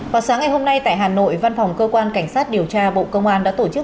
vào sáng ngày hôm nay tại hà nội văn phòng cơ quan cảnh sát điều tra bộ công an đã tổ chức